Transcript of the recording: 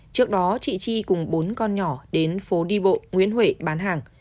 trước đó chị chi cùng bốn con nhỏ đến phố đi bộ nguyễn huệ bán hàng